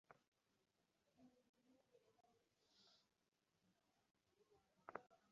যেমন তারাবি বা প্রশান্তির বিশ্রামের নামাজ।